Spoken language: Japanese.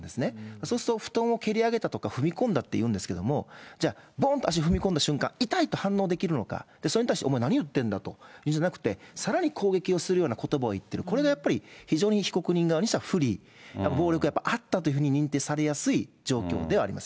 そうすると布団を蹴り上げたとか、踏み込んだって言うんですけども、じゃあ、ぼんと足を踏み込んだ瞬間、痛いと反応できるのか、それに対して、お前何言ってるんだと、じゃなくて、さらに攻撃をするようなことばを言っている、これがやっぱり非常に被告人側にしたら不利、暴力やっぱりあったというふうに認定されやすい状況ではあります